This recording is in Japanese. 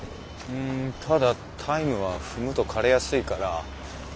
うんただタイムは踏むと枯れやすいから。